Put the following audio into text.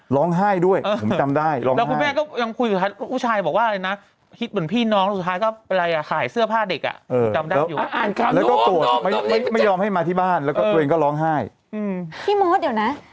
แล้วก็ไม่ยอมให้มาที่บ้านแล้วก็ตัวเองก็ร้องไห้